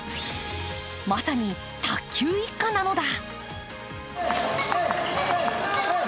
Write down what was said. まさに卓球一家なのだ。